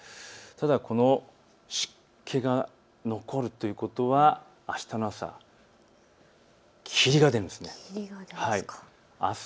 ただ、湿気が残るということはあしたの朝は霧が出るんです。